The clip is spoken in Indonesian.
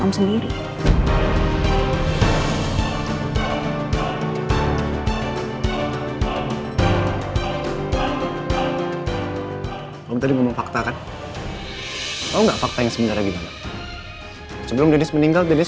om tidak menggunakan hati nurani